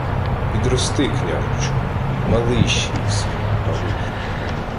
— Підрости, княжичу, малий ще єси, малий...